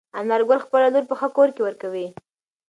انارګل خپله لور په ښه کور کې ورکوي.